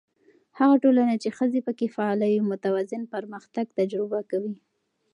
هغه ټولنه چې ښځې پکې فعاله وي، متوازن پرمختګ تجربه کوي.